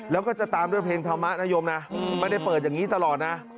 แล้วก็จะตามด้วยเพลงธรรมะนโยมนะไม่ได้เปิดอย่างนี้ตลอดนะ